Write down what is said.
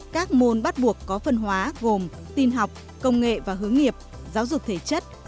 các môn bắt buộc có phân hóa gồm tin học công nghệ và hướng nghiệp giáo dục thể chất